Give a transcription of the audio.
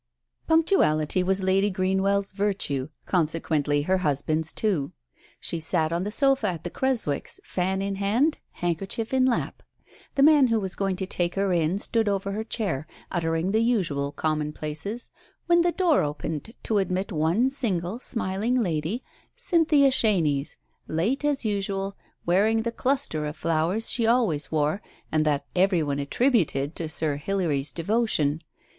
Punctuality was Lady Greenwell 's virtue — conse quently her husband's too. She sat on the sofa at the Creswicks', fan in hand, handkerchief in lap. The man who was going to take her in stood over her chair, uttering the usual commonplaces, when the door opened to admit one single, smiling lady — Cynthia Chenies, late as usual, wearing the cluster of flowers she always wore, and that every one attributed to Sir Hilary's devo tion.